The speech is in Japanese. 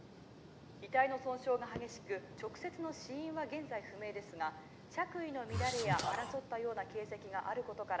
遺体の損傷が激しく直接の死因は現在着衣の乱れや争ったような形跡があることから。